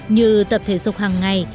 như tập thể dục hằng ngày